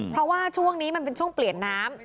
เพราะว่าช่วงนี้มันเป็นช่วงเปลี่ยนน้ำ